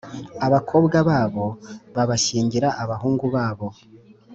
abakobwa babo babashyingira abahungu babo